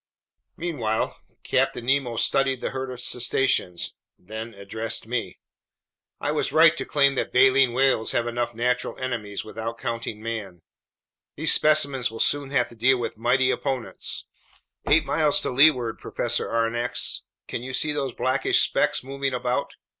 Meanwhile Captain Nemo studied the herd of cetaceans, then addressed me: "I was right to claim that baleen whales have enough natural enemies without counting man. These specimens will soon have to deal with mighty opponents. Eight miles to leeward, Professor Aronnax, can you see those blackish specks moving about?"